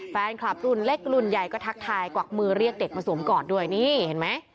แฟนคลับรุ่นเล็กรุ่นใหญ่ก็ทักทายกวักมือเรียกเด็กมาสวมกอดด้วยนี่เห็นไหม